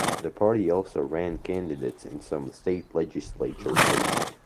The party also ran candidates in some state legislature races.